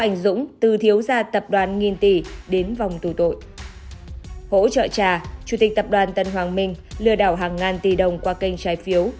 hỗ trợ trà chủ tịch tập đoàn tân hoàng minh lừa đảo hàng ngàn tỷ đồng qua kênh trái phiếu